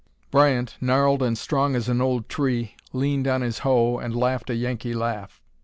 Bryant, gnarled and strong as an old tree, leaned on his hoe, and laughed a Yankee laugh.